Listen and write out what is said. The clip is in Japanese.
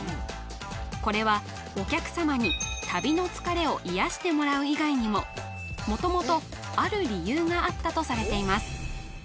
これはお客様に旅の疲れを癒やしてもらう以外にも元々ある理由があったとされています